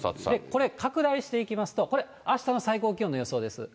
これ拡大していきますと、これ、あしたの最高気温の予想です。